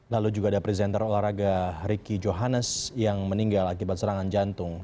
lalu juga ada presenter olahraga ricky johannes yang meninggal akibat serangan jantung